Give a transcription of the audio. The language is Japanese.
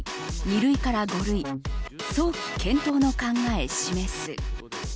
二類から五類早期検討の考え示す。